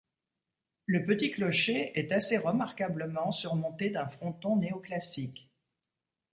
Le petit clocher est, assez remarquablement, surmonté d’un fronton néo-classique.